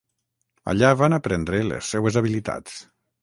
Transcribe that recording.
Allà van aprendre les seues habilitats.